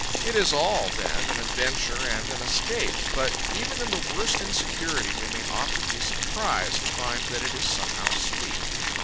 It is all, then, an adventure and an escape; but even in the worst insecurity, we may often be surprised to find that it is somehow sweet.